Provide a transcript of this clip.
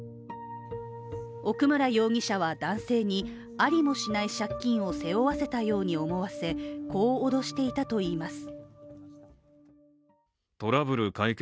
奥村容疑者は男性に、ありもしない借金を背負わせたように思わせ、こう脅していたといいます。